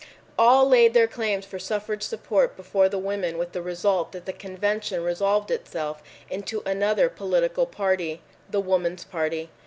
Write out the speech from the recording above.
All laid their claims for suffrage support before the women with the result that the convention resolved itself into another political party—The Woman's Party.